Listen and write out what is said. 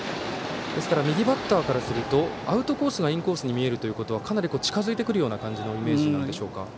右バッターからするとアウトコースがインコースに見えるということはかなり近づいてくる感じのイメージなんでしょうか。